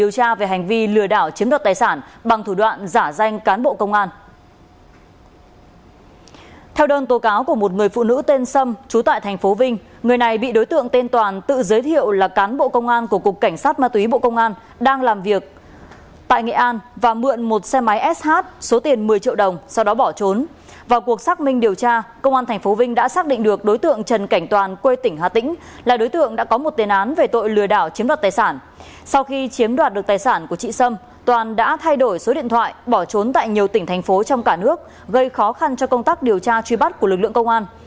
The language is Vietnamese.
khi chiếm đoạt được tài sản của chị sâm toàn đã thay đổi số điện thoại bỏ trốn tại nhiều tỉnh thành phố trong cả nước gây khó khăn cho công tác điều tra truy bắt của lực lượng công an